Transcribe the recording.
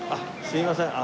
すいません。